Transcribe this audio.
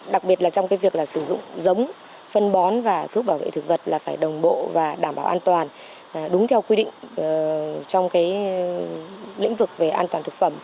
đặc biệt là trong cái việc là sử dụng giống phân bón và thuốc bảo vệ thực vật là phải đồng bộ và đảm bảo an toàn đúng theo quy định trong cái lĩnh vực về an toàn thực phẩm